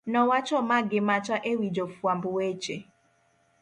nowacho ma gi macha e wi jofwamb weche